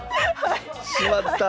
しまった。